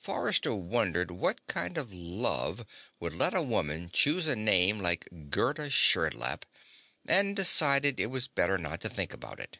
Forrester wondered what kind of love would let a woman choose a name like Gerda Sherdlap, and decided it was better not to think about it.